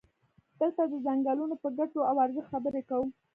دلته د څنګلونو په ګټو او ارزښت خبرې کوو.